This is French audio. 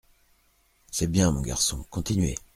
C’est bien, mon garçon, continuez !